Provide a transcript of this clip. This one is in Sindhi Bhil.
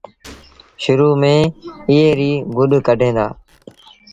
شرو ميݩ ايئي ريٚ گُڏ ڪڍين دآ۔